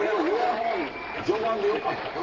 序盤でよかったな。